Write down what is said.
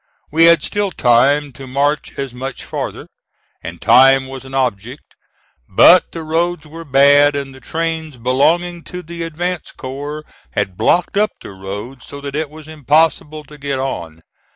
We had still time to march as much farther, and time was an object; but the roads were bad and the trains belonging to the advance corps had blocked up the road so that it was impossible to get on.